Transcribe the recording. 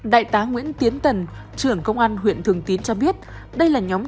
đại tá nguyễn tiến tần trưởng công an huyện thường tín cho biết đây là nhóm